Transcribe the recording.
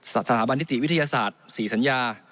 สถาบันติศรีวิทยาศาสตร์สี่สัญญา